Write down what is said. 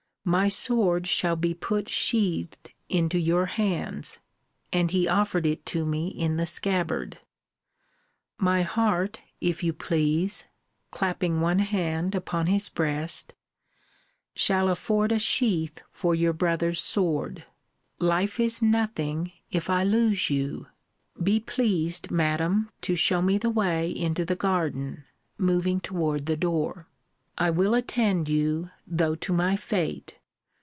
My sword shall be put sheathed into your hands [and he offered it to me in the scabbard]. My heart, if you please, clapping one hand upon his breast, shall afford a sheath for your brother's sword. Life is nothing, if I lose you be pleased, Madam, to shew me the way into the garden [moving toward the door]. I will attend you, though to my fate!